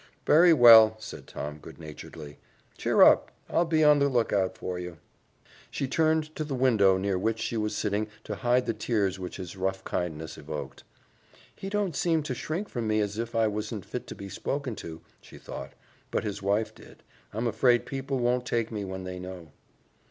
"Very well," said Tom good naturedly. "Cheer up! I'll be on the lookout for you." She turned to the window near which she was sitting to hide the tears which his rough kindness evoked. "He don't seem to shrink from me as if I wasn't fit to be spoken to," she thought; "but his wife did. I'm afraid people won't take me when they know."